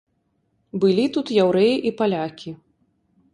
Былі тут яўрэі і палякі.